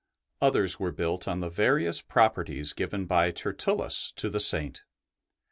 Others were built on the various properties given by Tertullus to the Saint.